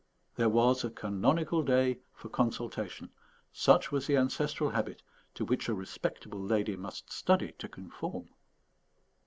There was a canonical day for consultation; such was the ancestral habit, to which a respectable lady must study to conform.